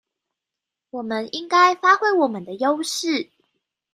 我們應該發揮我們的優勢